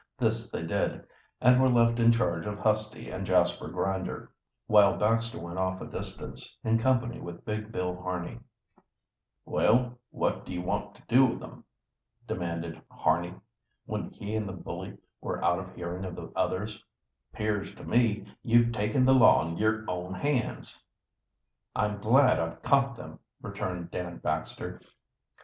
This they did, and were left in charge of Husty and Jasper Grinder, while Baxter went off a distance, in company with big Bill Harney. "Well, what do you want to do with 'em?" demanded Harney, when he and the bully were out of hearing of the others, "'Pears to me you've taken the law in yer own hands." "I'm glad I've caught them," returned Dan Baxter.